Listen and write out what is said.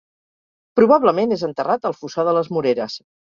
Probablement és enterrat al Fossar de les Moreres.